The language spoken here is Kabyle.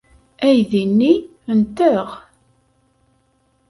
Aydi-nni nteɣ.